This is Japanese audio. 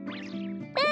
うん！